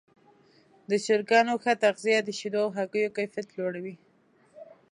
د چرګانو ښه تغذیه د شیدو او هګیو کیفیت لوړوي.